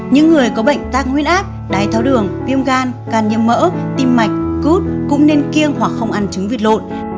những người có bệnh tăng huyết áp đái tháo đường viêm gan can nhiễm mỡ tim mạch cút cũng nên kiêng hoặc không ăn trứng vịt lộn